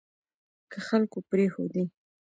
که خلکو پرېښودې